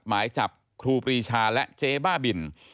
หมายจับครูปรีชาและเจ๊บ้าบิน